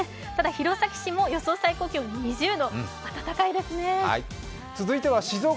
弘前市も予想最高気温２０度、暖かいですね。